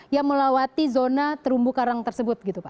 yang melawati zona terumbu karang tersebut